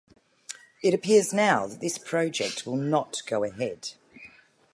It appears now that this project will not go ahead.